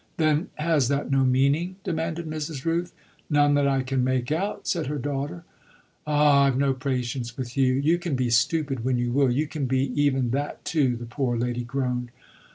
"Then has that no meaning?" demanded Mrs. Rooth. "None that I can make out," said her daughter. "Ah I've no patience with you: you can be stupid when you will you can be even that too!" the poor lady groaned.